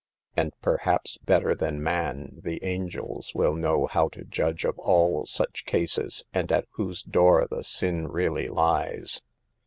And perhaps, better than man, the angels will know how to judge of all such cases, and at whose door the sin really lies.